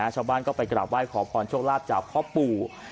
ชาวบ้านก็ไปกราบไหว้ขอพรโชคลาภจากพ่อปู่